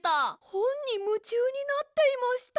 ほんにむちゅうになっていました！